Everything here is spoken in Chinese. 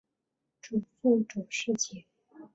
祖父左世杰。